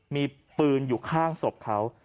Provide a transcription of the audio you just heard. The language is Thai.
มีปืนอยู่ข้างศพเขา